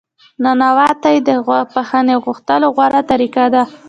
نانواتې د بخښنې غوښتلو غوره طریقه ده.